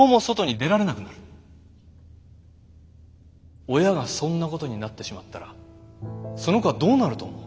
親がそんなことになってしまったらその子はどうなると思う？